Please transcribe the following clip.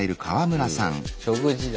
食事だ。